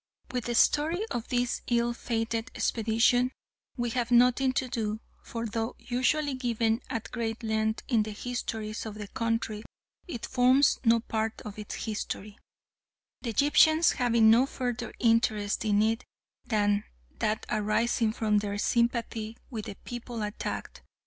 With the story of this ill fated expedition we have nothing to do, for though usually given at great length in the histories of the country it forms no part of its history, the Egyptians having no further interest in it than that arising from their sympathy with the people attacked.